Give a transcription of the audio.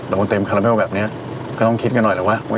โดนเต็มคาราเมลแบบนี้ก็ต้องคิดกันหน่อยแหละว่า